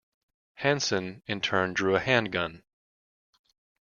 Hanson in turn drew a handgun.